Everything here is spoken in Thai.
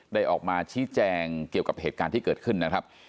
ออกมาชี้แจงเกี่ยวกับเหตุการณ์ที่เกิดขึ้นนะครับ